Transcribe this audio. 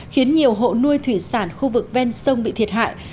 khiến nhiều hộ nuôi thủy sản khu vực ven sông bị thiệt hại